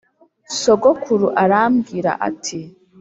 Sogokuru arambwira ati